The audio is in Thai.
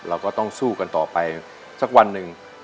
เราก็ต้องสู้กันต่อไปสักวันหนึ่ง